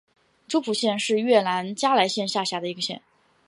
诸蒲县是越南嘉莱省下辖的一个县。